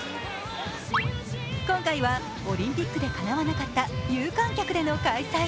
今回はオリンピックでかなわなかった有観客での開催。